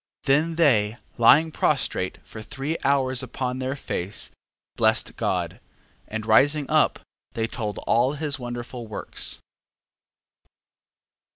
12:22. Then they lying prostrate for three hours upon their face, blessed God, and rising up, they told all his wonderful works.